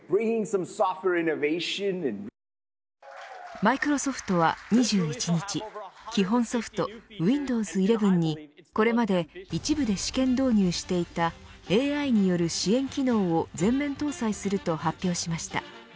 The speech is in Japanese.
マイクロソフトは２１日基本ソフトＷｉｎｄｏｗｓ１１にこれまで一部で試験導入していたＡＩによる支援機能を全面搭載すると発表しました。